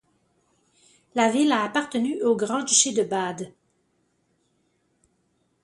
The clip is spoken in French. La ville a appartenu au Grand-duché de Bade.